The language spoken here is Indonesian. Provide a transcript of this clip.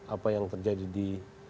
apa yang terjadi di